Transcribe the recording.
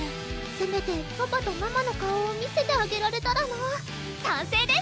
せめてパパとママの顔を見せてあげられたらなぁ賛成です！